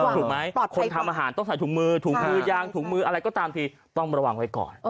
ถูกไหมคนทำอาหารต้องใส่ถุงมือถุงมือยางถุงมืออะไรก็ตามทีต้องระวังไว้ก่อน